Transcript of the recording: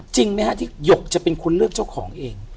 จริงไหมฮะที่หยกจะเป็นคนเลือกเจ้าของเอง